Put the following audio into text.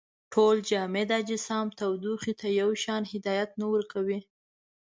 ټول جامد اجسام تودوخې ته یو شان هدایت نه ورکوي.